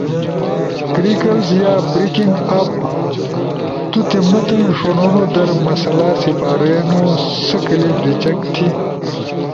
کریکلز یا بریکنگ اپ تو تی متن ݜنونو در مسئلہ سپارینو سا کلپ ریجیکٹ تھی۔